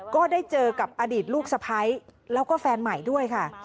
ก็ได้เจอกับอดีตลูกสะพ้ายแล้วก็แฟนใหม่ด้วยค่ะ